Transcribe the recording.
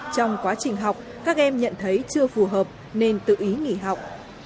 trong quá trình học các em nhận thấy chưa phù hợp nên tự ý nghỉ học